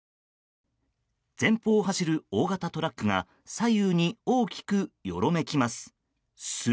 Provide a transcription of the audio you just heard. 前方を走る大型トラックが左右に大きくよろめきます。